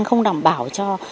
không đảm bảo cho